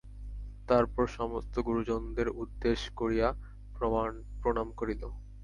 তার পর সমস্ত গুরুজনদের উদ্দেশ করিয়া প্রণাম করিল।